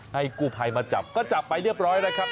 กู้ภัยมาจับก็จับไปเรียบร้อยนะครับ